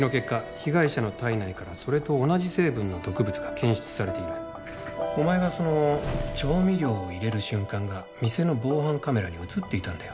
被害者の体内からそれと同じ成分の毒物が検出されているお前がその調味料を入れる瞬間が店の防犯カメラに写っていたんだよ